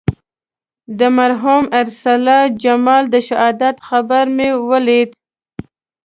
د مرحوم ارسلا جمال د شهادت خبر مې ولید.